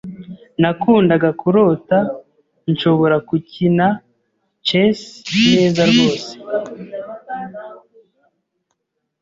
Nakundaga kurota nshobora gukina chess neza rwose.